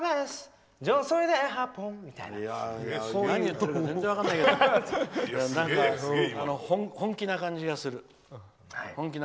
何言ってるのか全然分からないけど本気な感じがする。